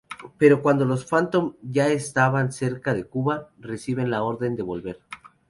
Pero cuando los Phantom ya estaban cerca de Cuba, reciben la orden de volver.